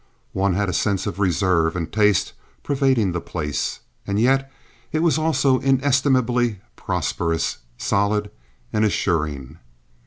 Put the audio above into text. One had a sense of reserve and taste pervading the place, and yet it was also inestimably prosperous, solid and assuring.